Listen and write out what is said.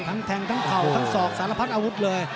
แทงทั้งเข่าทั้งศอกสารพัดอาวุธเลย